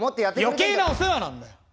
余計なお世話なんだよ！